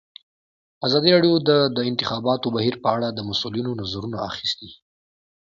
ازادي راډیو د د انتخاباتو بهیر په اړه د مسؤلینو نظرونه اخیستي.